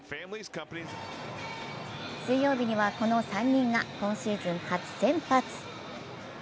水曜日には、この３人が今シーズン初先発。